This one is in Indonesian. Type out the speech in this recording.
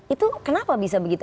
itu kenapa bisa begitu